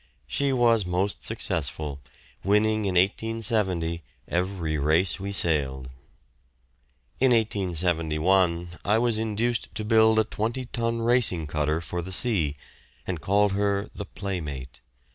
She was most successful, winning in 1870 every race we sailed. In 1871 I was induced to build a twenty ton racing cutter for the sea, and called her the "Playmate."